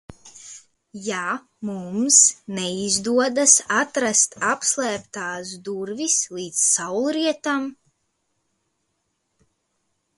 Ja mums neizdodas atrast apslēptās durvis līdz saulrietam?